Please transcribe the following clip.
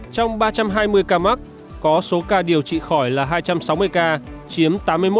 trong ba trăm hai mươi ca mắc có số ca điều trị khỏi là hai trăm sáu mươi ca chiếm tám mươi một